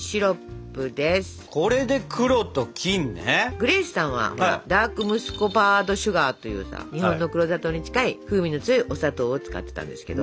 グレースさんはほらダークムスコバードシュガーというさ日本の黒砂糖に近い風味の強いお砂糖を使ってたんですけど。